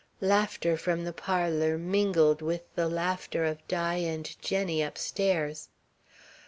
Laughter from the parlour mingled with the laughter of Di and Jenny upstairs.